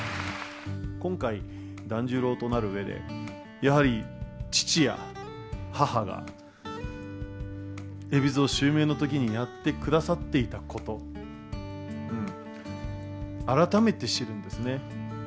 今回、團十郎となるうえで、やはり、父や母が、海老蔵襲名のときにやってくださっていたこと、改めて知るんですね。